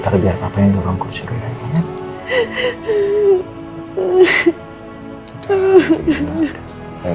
ntar biar papa yang di ruang kursi roda nya